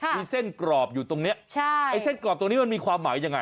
มีเส้นกรอบอยู่ตรงนี้ใช่ไอ้เส้นกรอบตรงนี้มันมีความหมายยังไง